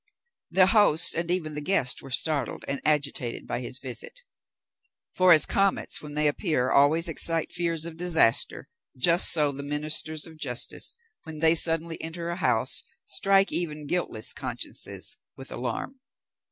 The host and even the guests were startled and agitated by his visit; for as comets, when they appear, always excite fears of disaster, just so the ministers of justice, when they suddenly enter a house, strike even guiltless consciences with alarm.